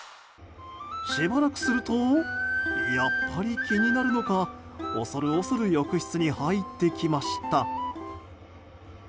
しばらくするとやっぱり気になるのか恐る恐る浴室に入ってきました。